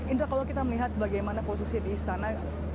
indra kalau kita melihat bagaimana posisi di istana